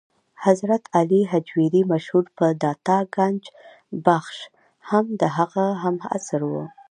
حضرت علي هجویري مشهور په داتا ګنج بخش هم د هغه هم عصر و.